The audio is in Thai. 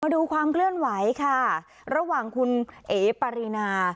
ดูความเคลื่อนไหวค่ะระหว่างคุณเอ๋ปารีนา